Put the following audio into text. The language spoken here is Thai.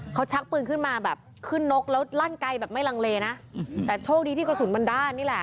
เขาชักปืนขึ้นมาแบบขึ้นนกแล้วลั่นไกลแบบไม่ลังเลนะแต่โชคดีที่กระสุนมันด้านนี่แหละ